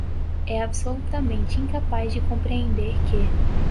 é absolutamente incapaz de compreender que